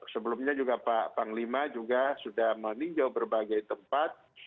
sebelumnya juga pak panglima juga sudah meninjau berbagai tempat